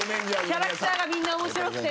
キャラクターがみんな面白くて。